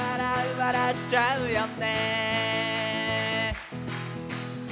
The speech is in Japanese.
「笑っちゃうよね」